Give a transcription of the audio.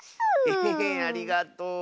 エヘヘありがとう。